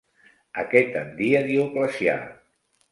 A què tendia Dioclecià?